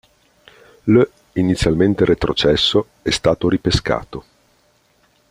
L', inizialmente retrocesso, è stato ripescato.